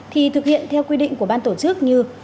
thì thực hiện theo quy định của ban tổ chức như